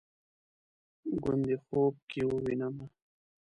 ګوندې خوب کې ووینمه